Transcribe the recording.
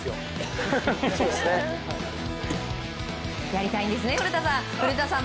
やりたいんですね古田さん。